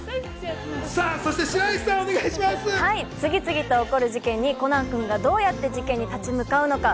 そして白石さん、お願いしま次々と起こる事件にコナン君がどうやって事件に立ち向かうのか、